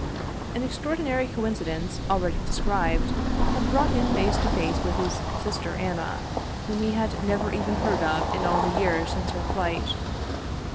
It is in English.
An extraordinary coincidence, already described, had brought him face to face with his sister Anna, whom he had never even heard of in all the years since her flight.